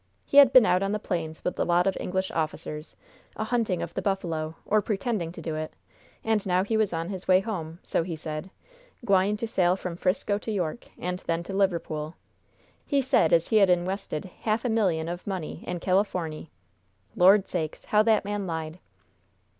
He had been out on the plains with a lot of English officers, a hunting of the buffalo, or pretending to do it, and now he was on his way home, so he said gwine to sail from 'Frisco to York, and then to Liverpool. He said as he had inwested half a million o' money in Californy. Lord sakes, how that man lied!